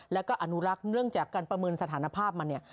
แล้วก็อนุรักษ์เนื่องจากการประเมินสถานภาพมันเนี่ย